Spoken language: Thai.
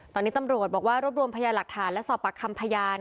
ตอนนี้ตำรวจบอกว่ารวบรวมพยานหลักฐานและสอบปากคำพยาน